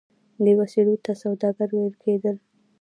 دې وسیلو ته سوداګر ویل کیدل.